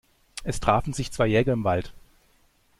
Es trafen sich zwei Jäger im Wald.